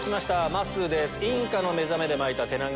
まっすーです。